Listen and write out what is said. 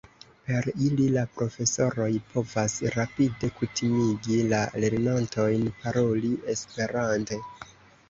Per ili la profesoroj povas rapide kutimigi la lernantojn paroli esperante.